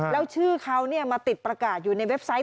แล้วชื่อเขามาติดประกาศอยู่ในเว็บไซต์